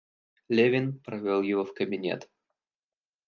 Левин провел его в кабинет.